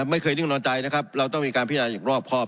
ไม่เคยนิ่งนอนใจนะครับเราต้องมีการพิจารณ์อย่างรอบครอบ